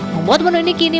membuat menu ini kini